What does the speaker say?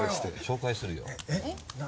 紹介するよ。